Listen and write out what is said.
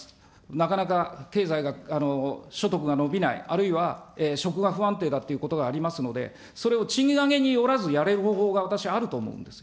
なかなか経済が、所得が伸びない、あるいは、職が不安定だということがありますので、それを賃上げによらずやれる方法が私、あると思うんです。